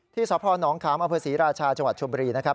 ที่สพนขามอภษีราชาจังหวัดชมนะครับ